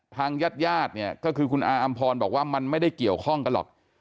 ทางญาติญาติเนี่ยก็คือคุณอาอำพรบอกว่ามันไม่ได้เกี่ยวข้องกันหรอก